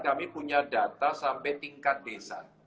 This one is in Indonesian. kami punya data sampai tingkat desa